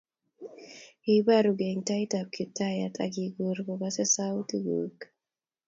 Yeiborukei eng tait ab Kiptayat akikur kokase sautik kuk